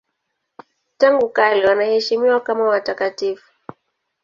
Tangu kale wanaheshimiwa kama watakatifu.